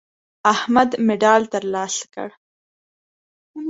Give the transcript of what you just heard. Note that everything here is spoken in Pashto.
احمد مډال ترلاسه کړ.